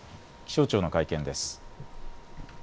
気象庁の会見です。